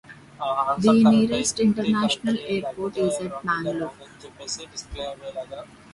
The nearest international airport is at Mangalore.